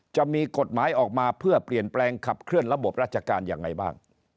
จะมีกฎหมายออกมาเพื่อเปลี่ยนแปลงขับเคลื่อนระบบราชการยังไงบ้าง